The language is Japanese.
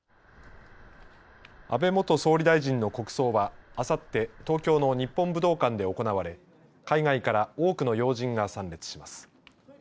安倍元総理大臣の国葬はあさって東京の日本武道館で行われ、海外から多くの要人が参列します。